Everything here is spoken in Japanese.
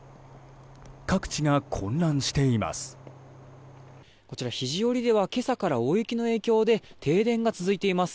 各地が混乱しています。